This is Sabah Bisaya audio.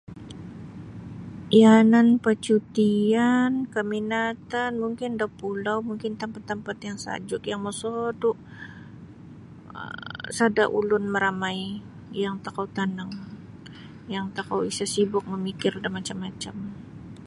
Iyanan pacutian keminatan mungkin da pulau mungkin tampat-tampat yang sajuk yang mosodu um sada ulun maramai yang tokou tanang yang tokou isa sibuk mamikir da macam-macam.